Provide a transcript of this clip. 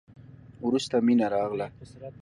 وروسته مينه راغله.